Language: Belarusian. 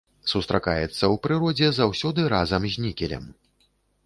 Сустракаецца ў прыродзе заўсёды разам з нікелем.